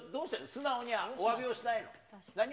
素直におわびをしたいの？